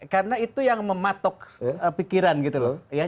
karena itu yang mematok pikiran gitu loh